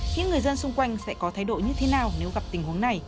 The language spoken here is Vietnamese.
những người dân xung quanh sẽ có thay đổi như thế nào nếu gặp tình huống này